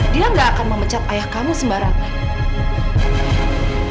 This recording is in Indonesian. dia gak akan memecat ayah kamu sembarangan